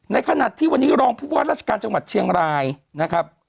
ในขณะที่วันนี้รองผู้ว่าราชการจังหวัดเชียงรายนะครับ